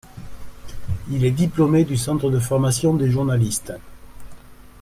Il est diplômé du Centre de formation des journalistes.